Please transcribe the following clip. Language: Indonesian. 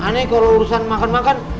aneh kalau urusan makan makan